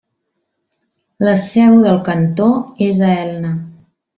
La seu del cantó és a Elna.